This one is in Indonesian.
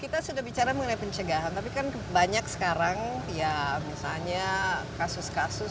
kita sudah bicara mengenai pencegahan tapi kan banyak sekarang ya misalnya kasus kasus